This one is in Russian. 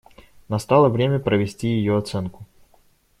Настало время провести ее оценку.